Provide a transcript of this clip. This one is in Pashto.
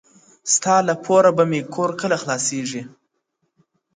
• ستا له پوره به مي کور کله خلاصېږي,